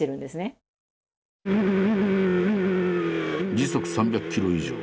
時速３００キロ以上。